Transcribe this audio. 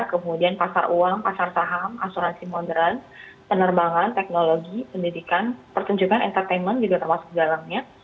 kemudian pasar uang pasar saham asuransi modern penerbangan teknologi pendidikan pertunjukan entertainment juga termasuk dalamnya